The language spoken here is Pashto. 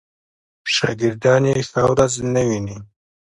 شاګردان یې ښه ورځ نه ویني.